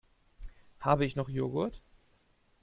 Habe ich noch Joghurt?